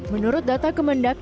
menurut data kemendak